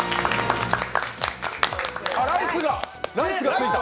ライスがついた。